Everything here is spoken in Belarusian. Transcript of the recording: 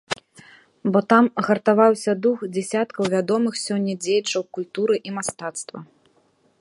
Бо там гартаваўся дух дзясяткаў вядомых сёння дзеячаў культуры і мастацтва.